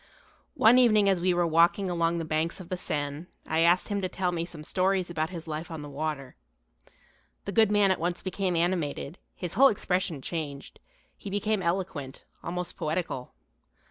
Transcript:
One evening as we were walking along the banks of the Seine I asked him to tell me some stories about his life on the water. The good man at once became animated, his whole expression changed, he became eloquent, almost poetical.